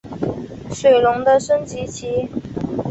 水龙的升级棋。